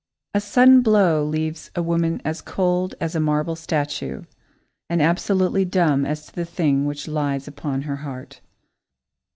A sudden blow leaves a woman as cold as a marble statue and absolutely dumb as to the thing which lies upon her heart.